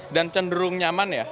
dan cenderung nyaman ya